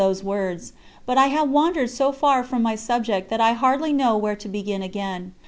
. But I have wandered so far from my subject that I hardly know where to begin again.